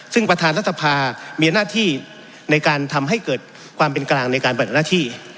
ซึ่งประธานรัฐสภามีหน้าที่ในการทำให้เกิดความเป็นกลางในการปฏิบัติหน้าที่